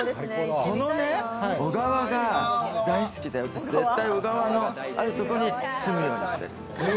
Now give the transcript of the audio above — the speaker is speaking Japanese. このね、小川が大好きで、私、絶対、小川のあるところに住むようにしてるの。